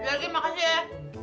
juragan makasih ya